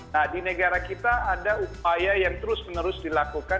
nah di negara kita ada upaya yang terus menerus dilakukan